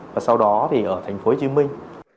và sau đó thì ở thành phố hồ chí minh